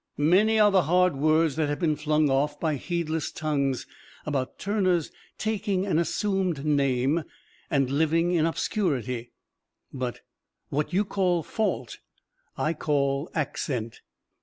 Many are the hard words that have been flung off by heedless tongues about Turner's taking an assumed name and living in obscurity, but "what you call fault I call accent."